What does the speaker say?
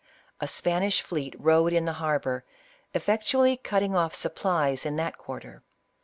A Spanish fleet rode in the harbor, effectually cutting off supplies in that quarter.